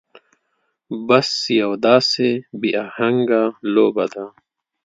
بس يو داسې بې اهنګه لوبه ده.